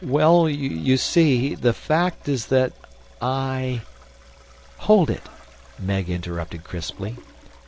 "Well, you see, the fact is that I...." "Hold it," Meg interrupted crisply.